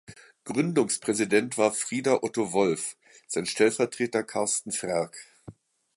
Gründungspräsident war Frieder Otto Wolf, sein Stellvertreter Carsten Frerk.